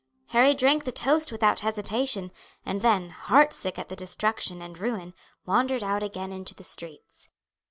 Harry drank the toast without hesitation, and then, heartsick at the destruction and ruin, wandered out again into the streets.